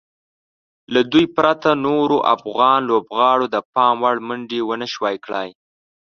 له دوی پرته نورو افغان لوبغاړو د پام وړ منډې ونشوای کړای.